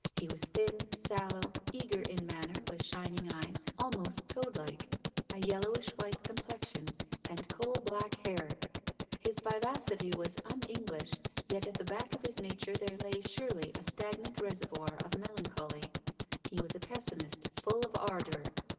He was thin, sallow, eager in manner, with shining eyes — almost toad like — a yellowish white complexion, and coal black hair. His vivacity was un English, yet at the back of his nature there lay surely a stagnant reservoir of melancholy. He was a pessimist, full of ardour.